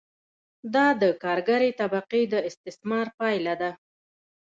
دا د کارګرې طبقې د استثمار پایله ده